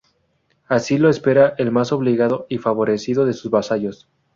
Así lo espera el más obligado y favorecido de sus vasallos.